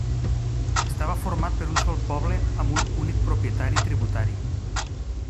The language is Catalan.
Estava format per un sol poble amb un únic propietari tributari.